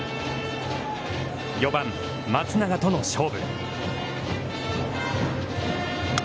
４番、松永との勝負。